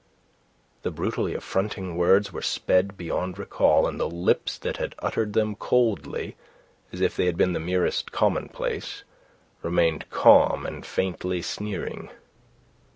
The brutally affronting words were sped beyond recall, and the lips that had uttered them, coldly, as if they had been the merest commonplace, remained calm and faintly sneering.